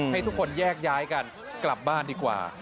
ให้ทุกคนแยกย้ายกันกลับบ้านดีกว่า